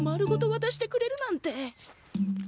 わたしてくれるなんて。